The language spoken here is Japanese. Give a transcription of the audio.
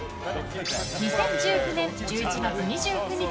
２０１９年１１月２９日